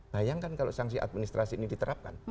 bayangkan kalau sanksi administrasi ini diterapkan